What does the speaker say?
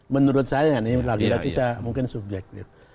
menurut saya ini mungkin subjektif